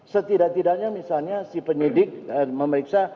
setidak tidaknya misalnya si penyidik memeriksa